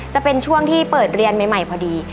จะเป็นช่วงที่เปิดเรียนใหม่พอดี